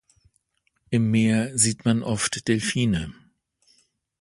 Im Meer sieht man oft Delphine.